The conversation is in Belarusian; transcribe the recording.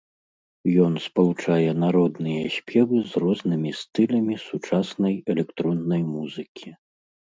Ён спалучае народныя спевы з рознымі стылямі сучаснай электроннай музыкі.